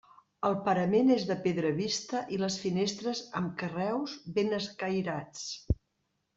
El parament és de pedra vista i les finestres amb carreus ben escairats.